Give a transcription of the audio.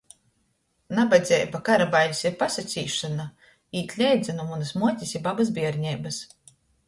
Nabadzeiba, kara bailis i pasacīsšona īt leidza nu munys muotis i babys bierneibys.